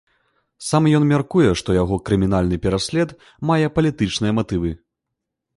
Сам ён мяркуе, што яго крымінальны пераслед мае палітычныя матывы.